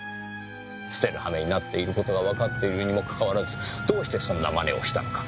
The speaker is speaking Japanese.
捨てるはめになっている事がわかっているにもかかわらずどうしてそんなまねをしたのか。